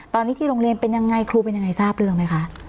ตอนนี้ที่โรงเรียนเป็นยังไงครูเป็นยังไงทราบเรื่องไหมคะ